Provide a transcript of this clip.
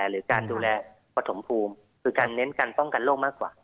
หรือการดูแลปฐมภูมิคือการเน้นการป้องกันโรคมากกว่า